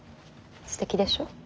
すてきでしょう。